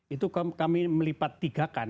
itu kami melipat tiga kan